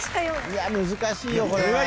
いや難しいよこれは。